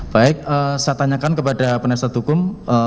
baik saya tanyakan kepada penasihat hukum